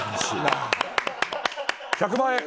１００万円！